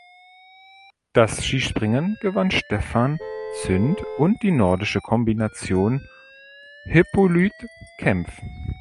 Das Skispringen gewann Stephan Zünd und die Nordische Kombination Hippolyt Kempf.